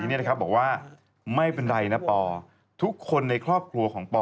บอกว่าไม่เป็นไรนะปอทุกคนในครอบครัวของปอ